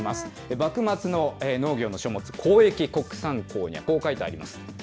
幕末の農業の書物、広益国産考にはこう書いてあります。